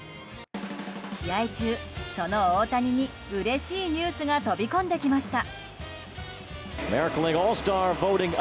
試合中、その大谷にうれしいニュースが飛び込んできました。